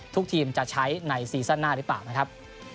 ทุกทีมจะใช้ในซีซั่นหน้าหรือเปล่านะครับ